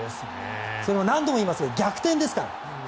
何度も言いますが逆転ですから。